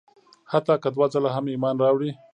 حتی که دوه ځله هم ایمان راوړي.